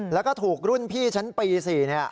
แล้วก็ถูกรุ่นพี่ชั้นปี๔เนี่ย